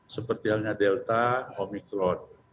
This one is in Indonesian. seperti halnya delta omikron